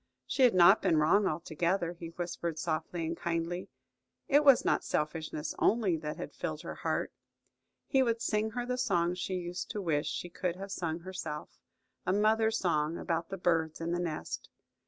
She had not been wrong altogether, he whispered softly and kindly. It was not selfishness only that had filled her heart. He would sing her the song she used to wish she could have sung herself–a mother's song about the birds in the nest.